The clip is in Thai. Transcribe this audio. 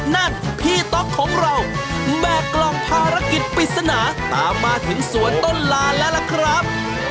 นั่นพี่ต๊อกของเราแบกกล่องภารกิจปริศนาตามมาถึงสวนต้นลานแล้วล่ะครับ